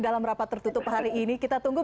dalam rapat tertutup hari ini kita tunggu